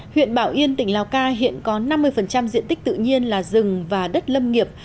huyện bảo yên tỉnh lào cai hiện có năm mươi diện tích tự nhiên là rừng và đất lâm nghiệp